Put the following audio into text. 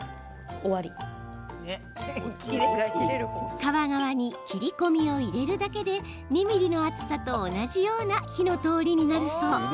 皮側に切り込みを入れるだけで２ｍｍの厚さと同じような火の通りになるそう。